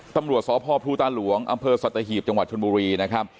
ตำรวจสพภูตาหลวงอำเภอสัตหีบจังหวัดชนบุรีนะครับ